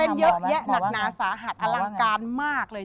เยอะแยะหนักหนาสาหัสอลังการมากเลย